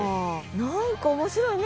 何か面白いね